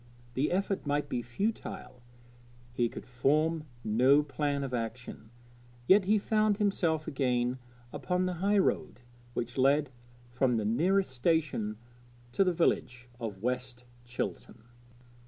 The effort might be futile; he could form no plan of action; yet he found himself again upon the highroad which led from the nearest station to the village of West Chilton.